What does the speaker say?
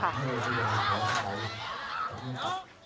ถือไว้สนุกบัดปีครบ